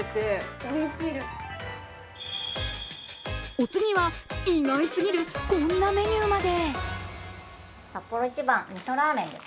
お次は、意外すぎるこんなメニューまで。